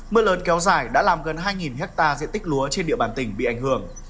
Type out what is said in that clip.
mưa lớn kéo dài đã làm gần hai hectare diện tích lúa trên địa bàn tỉnh bị ảnh hưởng